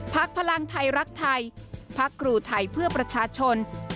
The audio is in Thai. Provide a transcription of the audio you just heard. พลังไทยรักไทยพักครูไทยเพื่อประชาชน